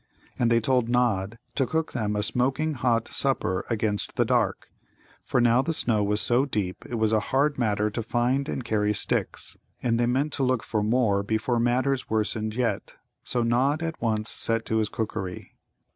And they told Nod to cook them a smoking hot supper against the dark, for now the snow was so deep it was a hard matter to find and carry sticks, and they meant to look for more before matters worsened yet. So Nod at once set to his cookery.